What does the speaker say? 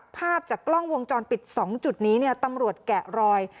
ภาพจากกล้องวงจรปิด๒จุดนี้ตำรวจแกะรอย